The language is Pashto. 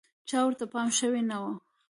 چا ورته پام شوی نه و.